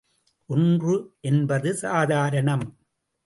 ஒன்று என்பது சாதாரணம்.